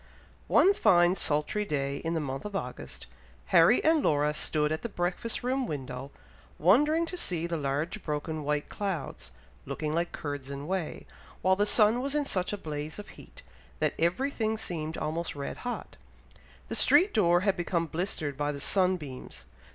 One fine sultry day in the month of August, Harry and Laura stood at the breakfast room window, wondering to see the large broken white clouds, looking like curds and whey, while the sun was in such a blaze of heat, that every thing seemed almost red hot. The street door had become blistered by the sun beams.